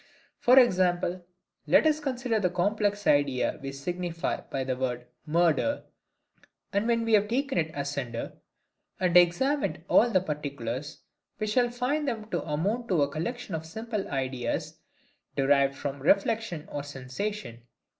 For example: let us consider the complex idea we signify by the word murder: and when we have taken it asunder, and examined all the particulars, we shall find them to amount to a collection of simple ideas derived from reflection or sensation, viz.